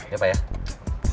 ya pak ya makasih pak